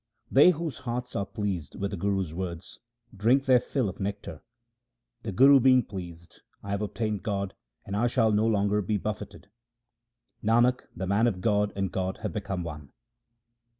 They whose hearts are pleased with the Guru's words drink their fill of nectar. The Guru being pleased, I have obtained God and I shall no longer be buffeted. 1 Nanak, the man of God and God have become one.